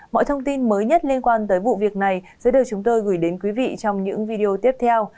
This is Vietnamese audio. mọi thông tin mới nhất liên quan tới vụ việc này sẽ được chúng tôi gửi đến quý vị trong những video tiếp theo